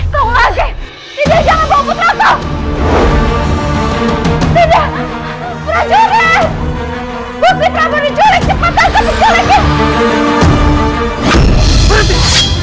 kau lagi tidak jangan bawa putra kau tidak beracunnya bukti prabuni